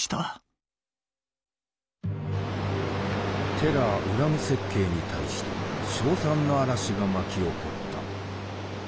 テラー・ウラム設計に対して称賛の嵐が巻き起こった。